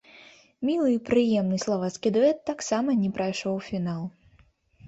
Мілы і прыемны славацкі дуэт таксама не прайшоў у фінал.